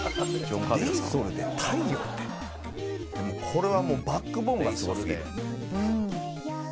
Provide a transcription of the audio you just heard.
これはもうバックボーンがすごすぎる。